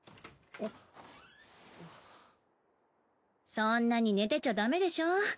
そんなに寝てちゃダメでしょう？